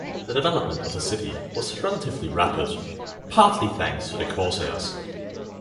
The development of the city was relatively rapid, partly thanks to the corsairs.